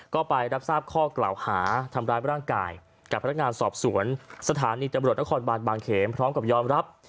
ก็ไปรับทราบข้อกล่าวหาทำร้ายร่างกายกับพนักงานสอบสวนสถานีตำรวจนครบานบางเขนพร้อมกับยอมรับ